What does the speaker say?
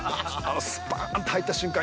スパーンと入った瞬間